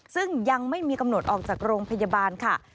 ซึ่งยังไม่มีกำหนดออกจากโรงพยาบาลค่ะ